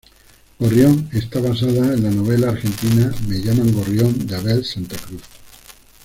Gorrión está basada en la novela argentina Me llaman Gorrión de Abel Santa Cruz.